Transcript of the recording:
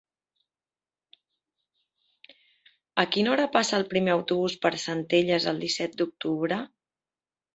A quina hora passa el primer autobús per Centelles el disset d'octubre?